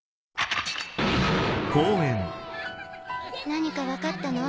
何かわかったの？